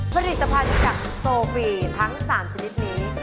ผลิตภัณฑ์จากโซฟีทั้ง๓ชนิดนี้